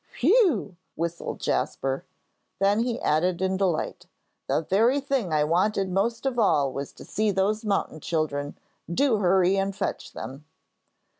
"Whew!" whistled Jasper. Then he added in delight, "The very thing I wanted most of all was to see those mountain children. Do hurry and fetch them."